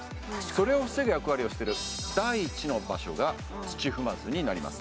それを防ぐ役割をしている第一の場所が土踏まずになります